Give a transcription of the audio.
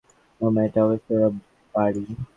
মামা, এটা অবশ্যই ওর বাড়ি।